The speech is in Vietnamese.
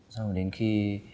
xong rồi đến khi